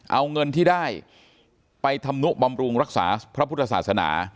เอาเงินที่ได้ไปทำนุบำรุงรักษาพระพุทธศาสนา